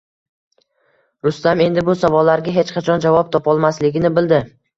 Rustam endi bu savollarga hech qachon javob topolmasligini bildi